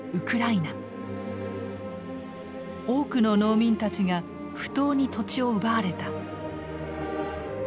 多くの農民たちが不当に土地を奪われた。